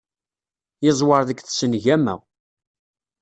Yeẓwer deg tsengama.